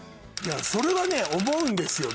それはね思うんですよ